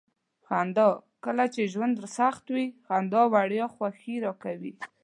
خندا: کله چې ژوند سخت وي. خندا وړیا خوښي راکوي.